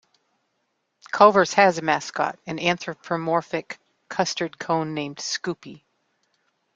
Culver's has a mascot: an anthropomorphic custard cone named Scoopie.